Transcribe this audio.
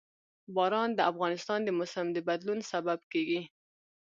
باران د افغانستان د موسم د بدلون سبب کېږي.